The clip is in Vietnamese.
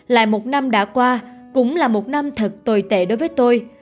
lại một năm đã qua cũng là một năm thật tồi tệ đối với tôi